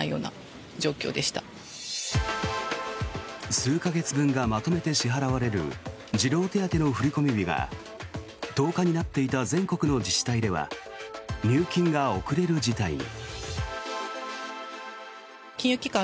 数か月分がまとめて支払われる児童手当の振込日が１０日になっていた全国の自治体では入金が遅れる事態に。